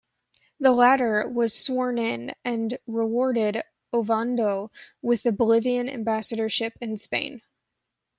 The latter was sworn in and rewarded Ovando with the Bolivian ambassadorship in Spain.